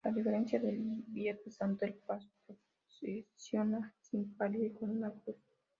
A diferencia del Viernes Santo, el paso procesiona sin palio y con una cruz.